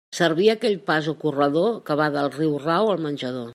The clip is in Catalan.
Servia aquell pas o corredor que va del riurau al menjador.